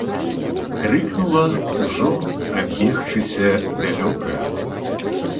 Крыкнула, ужо адбегшыся далёка.